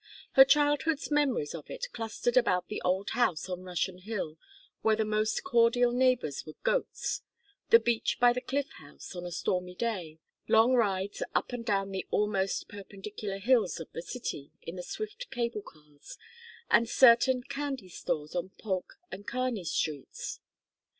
Her childhood's memories of it clustered about the old house on Russian Hill where the most cordial neighbors were goats; the beach by the Cliff House on a stormy day; long rides up and down the almost perpendicular hills of the city in the swift cable cars; and certain candy stores on Polk and Kearney streets.